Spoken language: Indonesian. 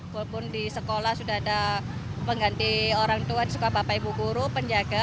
walaupun di sekolah sudah ada pengganti orang tua suka bapak ibu guru penjaga